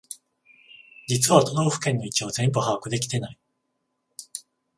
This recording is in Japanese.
実は都道府県の位置を全部把握できてない